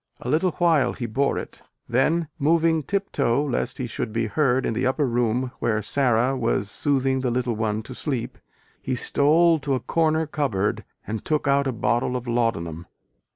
A little while he bore it: then, moving tip toe lest he should be heard in the upper room where Sara was soothing the little one to sleep, he stole to a corner cupboard and took out a bottle of laudanum.